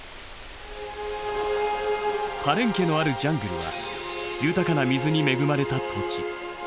パレンケのあるジャングルは豊かな水に恵まれた土地。